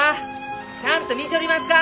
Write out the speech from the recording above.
ちゃんと見ちょりますか！？